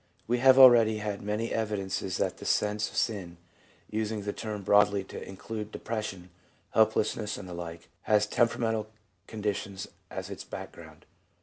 — We have already had many evidences that the sense of sin (using the term broadly to include depression, helplessness, and the like) has temperamental conditions as its back ground.